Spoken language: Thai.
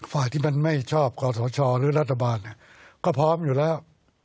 ฝ่ายที่มันไม่ชอบกศชหรือรัฐบาลก็พร้อมอยู่แล้ว